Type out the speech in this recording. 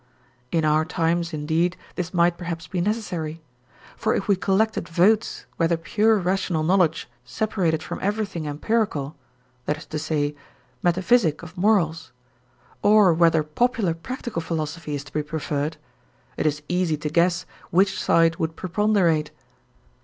In our times indeed this might perhaps be necessary; for if we collected votes whether pure rational knowledge separated from everything empirical, that is to say, metaphysic of morals, or whether popular practical philosophy is to be preferred, it is easy to guess which side would preponderate.